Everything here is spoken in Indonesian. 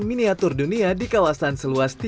miniatur dunia di kawasan seluas